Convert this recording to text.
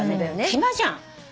暇じゃん。